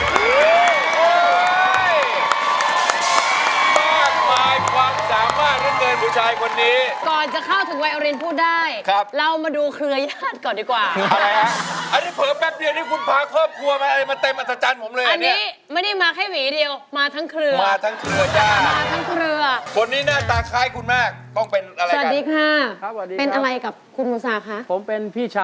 มากมายความสามารถนัดเงินผู้ชายคนนี้